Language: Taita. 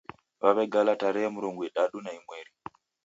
Wawegala tarehe murongodadu na imweri